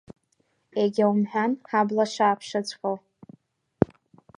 Егьа умҳәан ҳабла шааԥшыҵәҟьо!